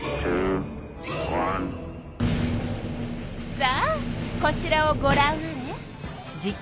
さあこちらをごらんあれ！